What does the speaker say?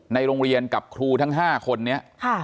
ในโรงเรียนกับครูทั้ง๕คนนี้